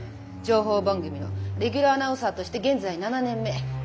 情報番組のレギュラーアナウンサーとして現在７年目。